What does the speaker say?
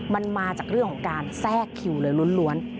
มันมาจากเรื่องของการแทรกคิวเลยล้วน